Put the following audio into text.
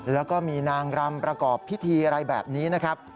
แล้วก็มีนางรำประกอบพิธีอะไรแบบนี้นะครับ